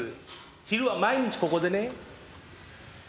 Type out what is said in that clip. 昼は毎日ここでね。